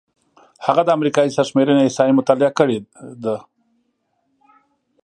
هغه د امریکايي سرشمېرنې احصایې مطالعه کړې دي.